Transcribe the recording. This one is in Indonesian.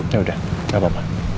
ya udah gak apa apa